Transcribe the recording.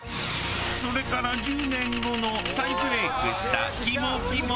それから１０年後の再ブレイクしたキモキモ期。